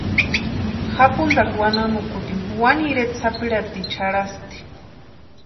Japuntarhu wanamukutini wani ireta sapirhatiecha jarhasti.